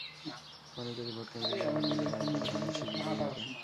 মানুষ যদি ভোটকেন্দ্রে গিয়ে ভোট দিতে পারেন, তবে ধানের শীষ বিজয়ী হবে।